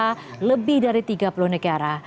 serta lebih dari tiga puluh negara